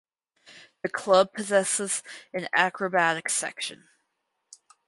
The club possesses an acrobatics section.